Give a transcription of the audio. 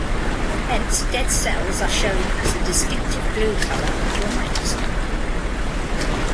Hence, dead cells are shown as a distinctive blue colour under a microscope.